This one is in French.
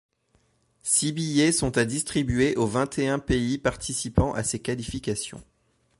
Six billets sont à distribuer aux vingt-et-un pays participant à ces qualifications.